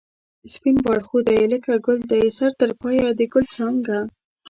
سپین باړخو دی لکه گل دی سر تر پایه د گل څانگه